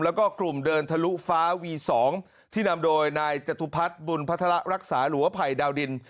แล้วก็กลุ่มเดินทะลุฟ้าวี๒ที่นำโดยนายจตุพัฒน์บุญพัฒระรักษาหรือว่าภัยดาวดิน